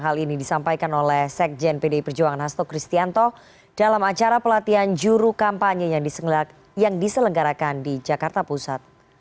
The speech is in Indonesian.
hal ini disampaikan oleh sekjen pdi perjuangan hasto kristianto dalam acara pelatihan juru kampanye yang diselenggarakan di jakarta pusat